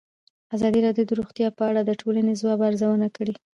ازادي راډیو د روغتیا په اړه د ټولنې د ځواب ارزونه کړې.